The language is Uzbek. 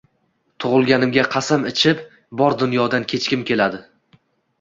tug’ilganimga qasam ichib, bor dunyodan kechgim keladi…